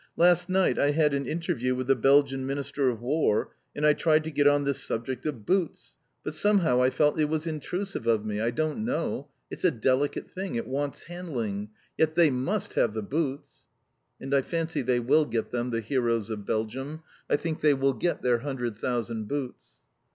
Last night I had an interview with the Belgian Minister of War and I tried to get on this subject of boots. But somehow I felt it was intrusive of me. I don't know. It's a delicate thing. It wants handling. Yet they must have the boots." And I fancy they will get them, the heroes of Belgium. I think they will get their hundred thousand boots.